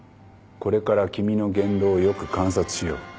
これから君の言動をよく観察しよう。